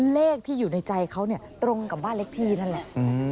เลขที่อยู่ในใจเขาเนี่ยตรงกับบ้านเลขที่นั่นแหละ